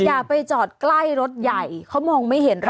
อย่าไปจอดใกล้รถใหญ่เขามองไม่เห็นรถ